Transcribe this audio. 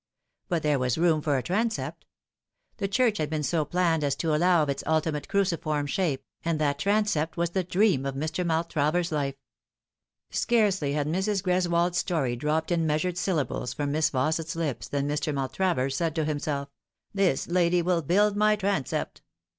But there was room for a transept. The church had been so planned as to allow of its ultimate cruciform shape, and that transept was the dream of Mr. Maltravers' life. Scarcely had Mrs. Greswold's story dropped in measured syllables from Miss Faus set's lips than Mr. Maltravers said to himself, " This lady will build my transept."